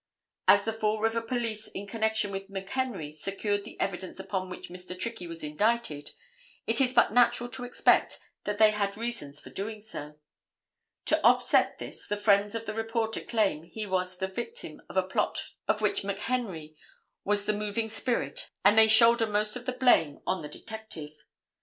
As the Fall River police in connection with McHenry secured the evidence upon which Mr. Trickey was indicted, it is but natural to expect that they had reasons for so doing. To offset this, the friends of the reporter claim that he was the victim of a plot of which McHenry was the moving spirit and they shoulder most of the blame on the detective.